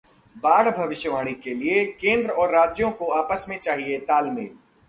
बाढ़ भविष्यवाणी के लिए केंद्र और राज्यों को आपस में चाहिए तालमेल